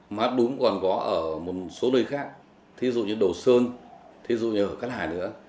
mà hát đúng còn có ở một số nơi khác ví dụ như đồ sơn ví dụ như ở cát hải nữa